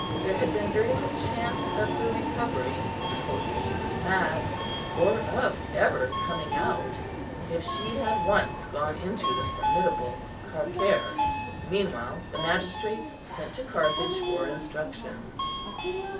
There had been very little chance of her recovery, supposing she was mad, or of ever coming out, if she had once gone into the formidable Carcer. Meanwhile the magistrates sent to Carthage for instructions.